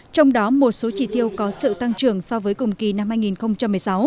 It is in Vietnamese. trong đó một số chỉ tiêu có sự tăng trưởng so với cùng kỳ năm hai nghìn một mươi sáu